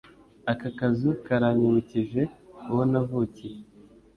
Aka kazu karanyibukije uwo navukiye.